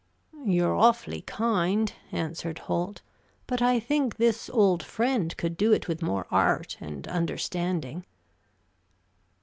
"You're awfully kind," answered Holt, "but I think this old friend could do it with more art and understanding."